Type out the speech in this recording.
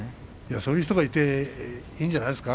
そういう人がいてもいいんじゃないですか。